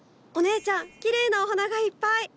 お姉ちゃんきれいなお花がいっぱい！